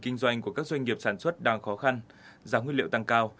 kinh doanh của các doanh nghiệp sản xuất đang khó khăn giá nguyên liệu tăng cao